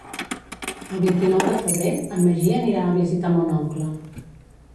El vint-i-nou de febrer en Magí anirà a visitar mon oncle.